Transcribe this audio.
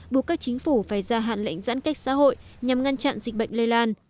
buộc các chính phủ phải ra hạn lệnh giãn cách xã hội nhằm ngăn chặn dịch bệnh lây lan